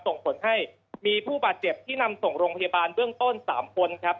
ส่งผลให้มีผู้บาดเจ็บที่นำส่งโรงพยาบาลเบื้องต้น๓คนครับ